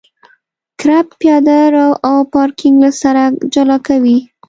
کرب پیاده رو او پارکینګ له سرک جلا کوي